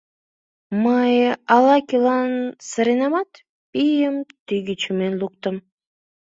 Мый ала-кӧлан сыренамат, пийым тӱгӧ чумен луктым.